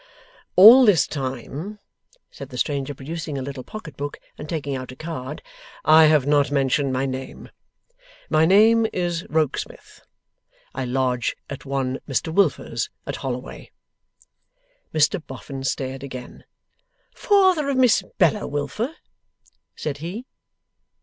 'All this time,' said the stranger, producing a little pocket book and taking out a card, 'I have not mentioned my name. My name is Rokesmith. I lodge at one Mr Wilfer's, at Holloway.' Mr Boffin stared again. 'Father of Miss Bella Wilfer?' said he.